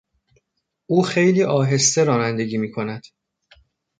او خیلی آهسته رانندگی میکند.